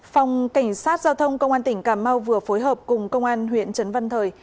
phòng cảnh sát giao thông công an tỉnh cà mau vừa phối hợp cùng công an huyện trấn văn thời